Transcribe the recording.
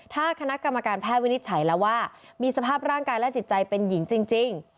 ถ้าคณะกรรมการแพทย์วินิจฉัยแล้วว่ามีสภาพร่างกายและจิตใจเป็นหญิงจริง